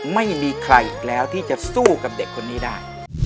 ไม่มีใครอีกแล้วที่จะสู้กับเด็กคนนี้ได้